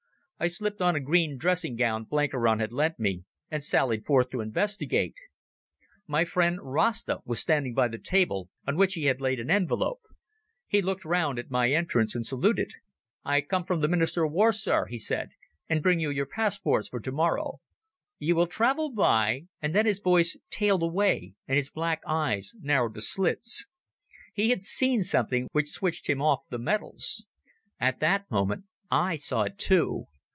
I slipped on a green dressing gown Blenkiron had lent me, and sallied forth to investigate. My friend Rasta was standing by the table, on which he had laid an envelope. He looked round at my entrance and saluted. "I come from the Minister of War, sir," he said, "and bring you your passports for tomorrow. You will travel by ..." And then his voice tailed away and his black eyes narrowed to slits. He had seen something which switched him off the metals. At that moment I saw it too.